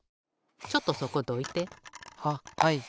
ちょっとそこどいて。ははい。